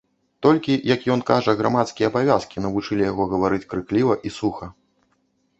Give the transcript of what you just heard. Толькі, як ён кажа, грамадскія абавязкі навучылі яго гаварыць, крыкліва і суха.